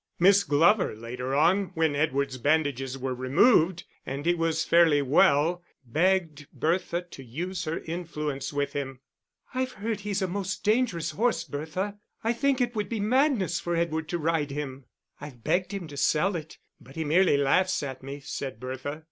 Miss Glover later on, when Edward's bandages were removed and he was fairly well, begged Bertha to use her influence with him. "I've heard he's a most dangerous horse, Bertha. I think it would be madness for Edward to ride him." "I've begged him to sell it, but he merely laughs at me," said Bertha.